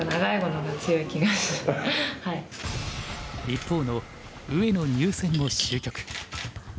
一方の上野・牛戦も終局。